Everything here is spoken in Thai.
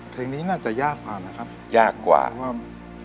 เพลงนี้น่าจะยากกว่านะครับ